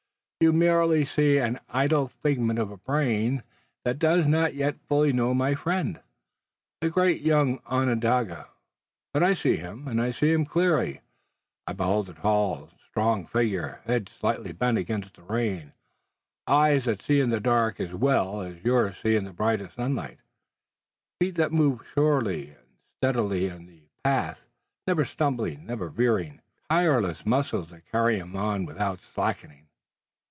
You merely see an idle figment of a brain that does not yet fully know my friend, the great young Onondaga. But I see him, and I see him clearly. I behold a tall, strong figure, head slightly bent against the rain, eyes that see in the dark as well as yours see in the brightest sunlight, feet that move surely and steadily in the path, never stumbling and never veering, tireless muscles that carry him on without slackening."